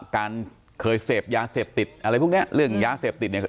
การเคยเสพยาเสพติดอะไรพวกนี้เรื่องยาเสพติดเนี่ย